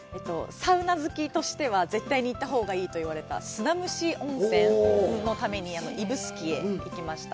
サウナ好きとしては絶対に行ったほうががいいといわれた砂むし温泉のために指宿へ行きました。